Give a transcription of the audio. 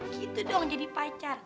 gitu dong jadi pacar